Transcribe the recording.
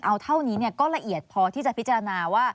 เอาเท่านี้ก็ละเอียดพอที่จะพิจารณาว่า